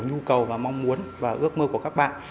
nhu cầu và mong muốn và ước mơ của các bạn